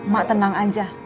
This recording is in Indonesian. mak tenang aja